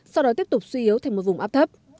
sau đó tiếp tục suy yếu thành một vùng áp thấp